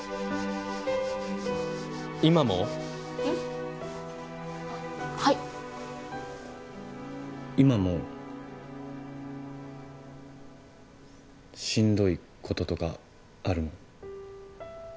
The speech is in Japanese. あっはい今もしんどいこととかあるの？